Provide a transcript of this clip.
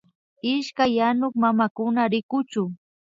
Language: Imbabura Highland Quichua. Ishkay yanuk mamakuna rikuchu